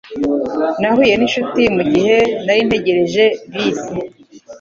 Nahuye ninshuti mugihe nari ntegereje bisi.